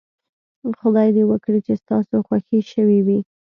خدای دې وکړي چې ستاسو خوښې شوې وي.